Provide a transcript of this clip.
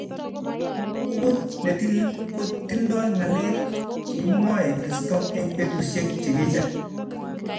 Bukut ne tilil ko tindoi ngalek chikimwoi kristo eng betusiek chikiche